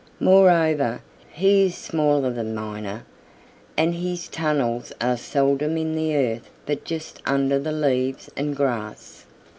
Moreover, he is smaller than Miner, and his tunnels are seldom in the earth but just under the leaves and grass.